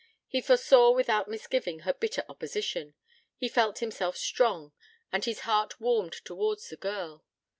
He foresaw without misgiving, her bitter opposition: he felt himself strong; and his heart warmed towards the girl.